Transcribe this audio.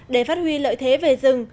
để phát huy lợi thế về rừng